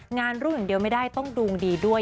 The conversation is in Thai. งานรุ่งอย่างเดียวไม่ได้ต้องดวงดีด้วย